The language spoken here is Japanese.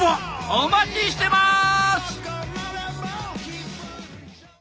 お待ちしてます！